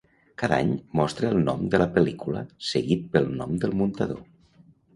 Cada any mostra el nom de la pel·lícula seguit pel nom del muntador.